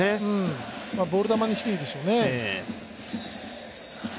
ボール球にしていいでしょうね。